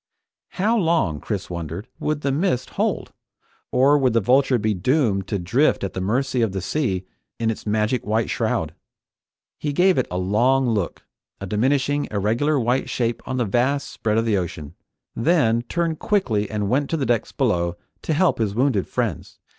How long, Chris wondered, would the mist hold? Or would the Vulture be doomed to drift at the mercy of the sea in its magic white shroud? He gave it a long look, a diminishing irregular white shape on the vast spread of the ocean, then turned quickly and went to the decks below to help his wounded friends.